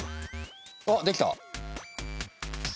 あっできた！